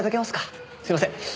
すいません。